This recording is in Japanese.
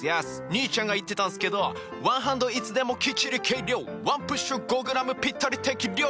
兄ちゃんが言ってたんすけど「ワンハンドいつでもきっちり計量」「ワンプッシュ５ｇぴったり適量！」